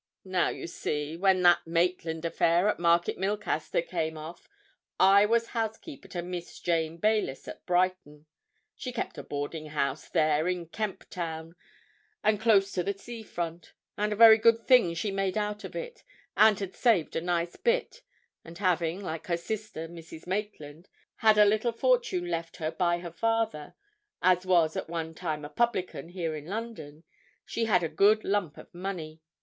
Now, you see, when that Maitland affair at Market Milcaster came off, I was housekeeper to Miss Jane Baylis at Brighton. She kept a boarding house there, in Kemp Town, and close to the sea front, and a very good thing she made out of it, and had saved a nice bit, and having, like her sister, Mrs. Maitland, had a little fortune left her by her father, as was at one time a publican here in London, she had a good lump of money.